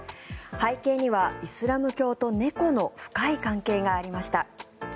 背景にはイスラム教と猫の深い関係がありました。